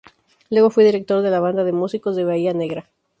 Luego fue director de la Banda de Músicos de Bahía Negra.